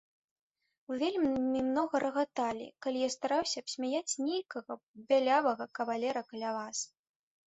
Вы вельмі многа рагаталі, калі я стараўся абсмяяць нейкага бялявага кавалера каля вас.